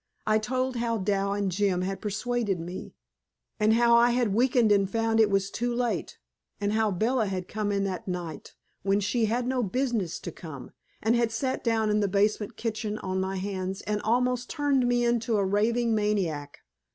I told how Dal and Jim had persuaded me, and how I had weakened and found it was too late, and how Bella had come in that night, when she had no business to come, and had sat down in the basement kitchen on my hands and almost turned me into a raving maniac.